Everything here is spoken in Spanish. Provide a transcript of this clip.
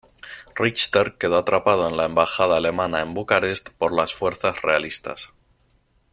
Richter quedó atrapado en la Embajada alemana en Bucarest por las fuerzas realistas.